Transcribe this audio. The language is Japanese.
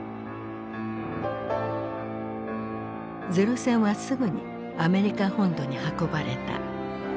零戦はすぐにアメリカ本土に運ばれた。